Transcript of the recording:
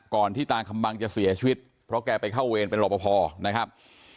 ที่ตาคำบังจะเสียชีวิตเพราะแกไปเข้าเวรเป็นรอปภนะครับ